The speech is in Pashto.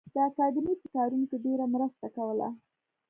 د اکاډمۍ په کارونو کې ډېره مرسته کوله